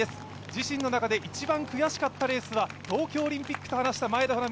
自身の中で一番悔しかったレースは東京オリンピックと話した前田穂南。